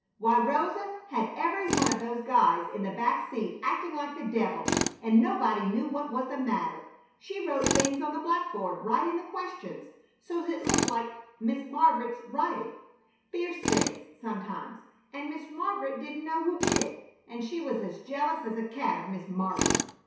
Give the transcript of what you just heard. Why, Rosa had every one of those guys in the back seat acting like the devil, and nobody knew what was the matter. She wrote things on the blackboard right in the questions, so's it looked like Miss Mar'get's writing; fierce things, sometimes; and Miss Mar'get didn't know who did it. And she was as jealous as a cat of Miss Mar'get.